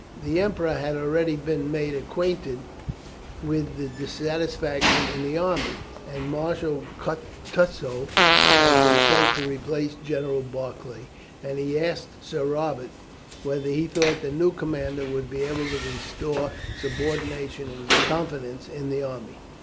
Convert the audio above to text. The Emperor had already been made acquainted with the dissatisfaction in the army, and Marshal Kutusow had been sent to replace General Barclay, and he asked Sir Robert whether he thought the new commander would be able to restore subordination and confidence in the army.